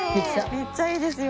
めっちゃいいですよ。